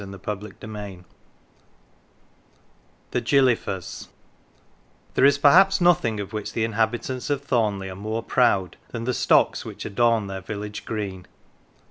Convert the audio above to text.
115 "THE GILLY F'ERS "THE GILLY F'ERS" THERE is perhaps nothing of which the inhabitants of Thornleigh are more proud than the stocks which adorn their village green.